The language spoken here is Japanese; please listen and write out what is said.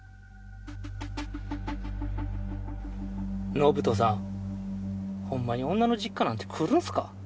延人さんほんまに女の実家なんて来るんすか？